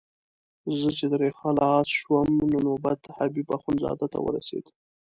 چې زه ترې خلاص شوم نو نوبت حبیب اخندزاده ته ورسېد.